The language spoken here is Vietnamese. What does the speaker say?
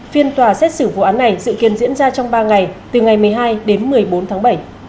phiên tòa xét xử vụ án này dự kiến diễn ra trong ba ngày từ ngày một mươi hai đến một mươi bốn tháng bảy